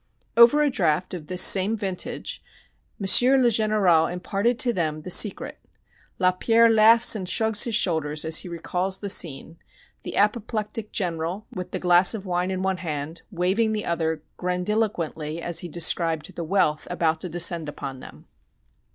Over a draft of this same vintage M. le Général imparted to them the secret. Lapierre laughs and shrugs his shoulders as he recalls the scene the apoplectic General, with the glass of wine in one hand, waving the other grandiloquently as he described the wealth about to descend upon them.